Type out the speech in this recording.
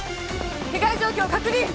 被害状況確認！